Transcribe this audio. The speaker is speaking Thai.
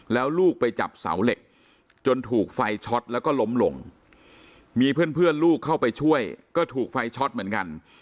แล้วลูกไปจับเสาเหล็กจนถูกไฟช็อตแล้วก็ล้มลงมีเพื่อนลูกเข้าไปช่วยก็ถูกไฟช็อตเหมือนกัน